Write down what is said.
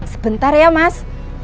sebentar ya mas